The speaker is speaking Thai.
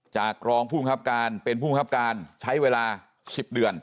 จากรองผู้บัญชาการเป็นผู้บัญชาการใช้เวลา๑๐เดือน